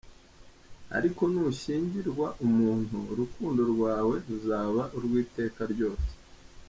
Ariko nushyingirwa umuntu, urukundo rwawe ruzaba urwiteka ryose.